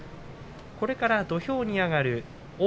これから土俵に上がる王鵬。